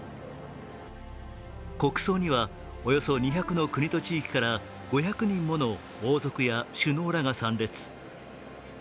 国葬にはおよそ２００の国と地域から５００人もの王族や首脳らが参列。